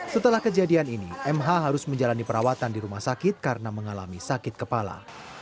setelah kejadian ini mh harus menjalani perawatan di rumah sakit karena mengalami sakit kepala